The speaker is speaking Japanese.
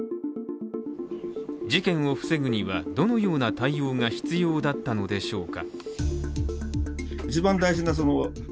事件を防ぐには、どのような対応が必要だったのでしょうか。